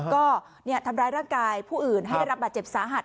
ก็ทำร้ายร่างกายผู้อื่นให้ได้รับบาดเจ็บสาหัส